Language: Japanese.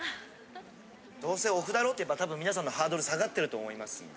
どうせお麩だろってたぶん皆さんのハードル下がってると思いますんで。